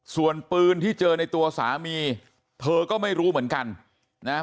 ส่วนปืนที่เจอในตัวสามีเธอก็ไม่รู้เหมือนกันนะฮะ